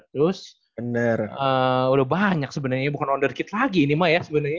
terus udah banyak sebenernya bukan wonder kid lagi ini mah ya sebenernya